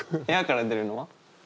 部屋から出るのは？